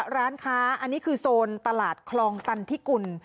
ร้านค้าอันนี้คือโซนตลาดคลองตันทิกุล